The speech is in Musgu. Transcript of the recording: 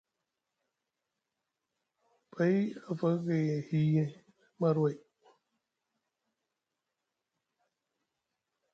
Pay a faka gay hii marway.